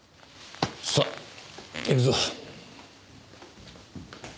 さあ行くぞ。